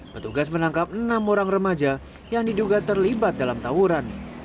petugas menangkap enam orang remaja yang diduga terlibat dalam tawuran